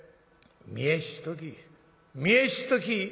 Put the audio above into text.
「『見えしとき』」。